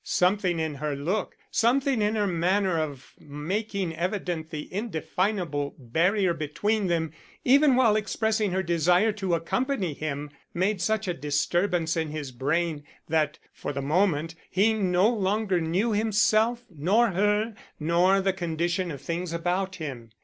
Something in her look, something in her manner of making evident the indefinable barrier between them even while expressing her desire to accompany him, made such a disturbance in his brain that for the moment he no longer knew himself, nor her, nor the condition of things about him.